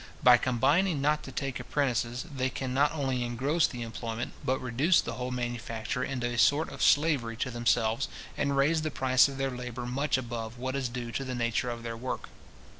By combining not to take apprentices, they can not only engross the employment, but reduce the whole manufacture into a sort of slavery to themselves, and raise the price of their labour much above what is due to the nature of their work.